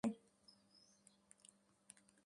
ও কেন এসেছে?